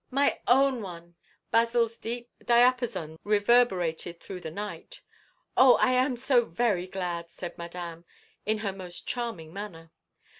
"My own one!" Basil's deep diapason reverberated through the night. "Oh! I am so very glad!" said Madame, in her most charming manner.